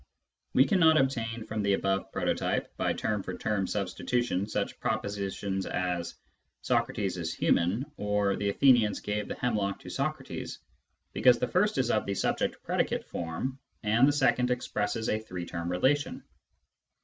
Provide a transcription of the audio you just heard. We cannot obtain from the above prototype by term for term substitution such propositions as " Socrates is human " or " the Athenians gave the hemlock to Socrates," because the first is of the subject 202 Introduction to Mathematical Philosophy predicate form and the second expresses a three term relation.